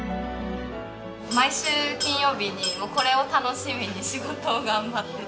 毎週金曜日にこれを楽しみに仕事を頑張ってて。